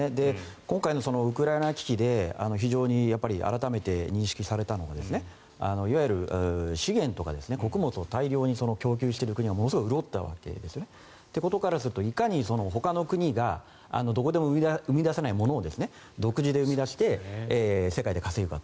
今回のウクライナ危機で非常に改めて認識されたのがいわゆる資源とか穀物を大量に供給している国はものすごく潤ったわけですね。ということからするといかにほかの国がどこにも生み出せないものを独自で生み出して世界で稼ぐかと。